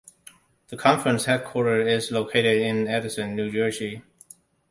The conference headquarters is located in Edison, New Jersey.